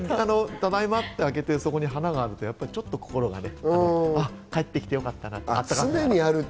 ただいまって開けて、そこに花があると心がね、帰ってきてよかったなって、温かくなる。